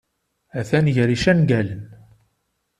Atan gar icangalen.